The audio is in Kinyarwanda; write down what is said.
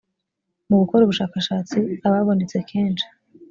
mu gukora ubushakashatsi ababonetse kenshi